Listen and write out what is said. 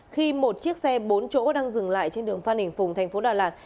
khi một chiếc xe bốn chỗ đang dừng lại trên đường phan đình phùng thành phố đà lạt